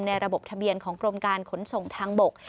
ระบบทะเบียนของกรมการขนส่งทางบก